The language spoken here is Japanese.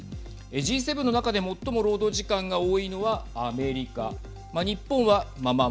Ｇ７の中で最も労働時間が多いのはアメリカ。